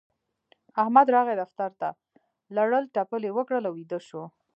احمد راغی دفتر ته؛ لړل تپل يې وکړل او ويده شو.